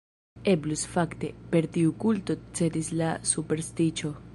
Eblus, fakte, per tiu kulto cedis al superstiĉo.